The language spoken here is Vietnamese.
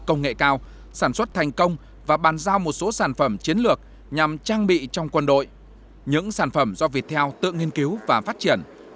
cùng lãnh đạo một số bộ ngành có liên quan